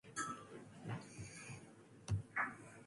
Craven and Rubin virtually disowned the film by that point.